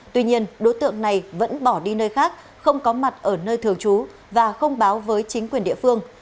tuy nhiên đối tượng này vẫn bỏ đi nơi khác không có mặt ở nơi thường trú và không báo với chính quyền địa phương